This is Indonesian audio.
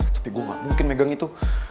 tapi gue gak mungkin megang itu